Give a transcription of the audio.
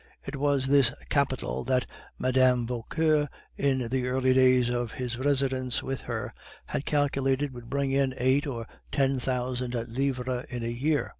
It was this capital that Mme. Vauquer, in the early days of his residence with her, had calculated would bring in eight or ten thousand livres in a year.